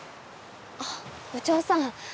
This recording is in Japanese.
あっ部長さん。